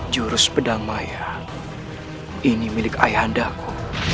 jurus pedang maya ini milik ayah anda ku